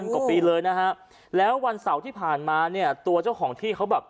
กว่าปีเลยนะฮะแล้ววันเสาร์ที่ผ่านมาเนี่ยตัวเจ้าของที่เขาแบบ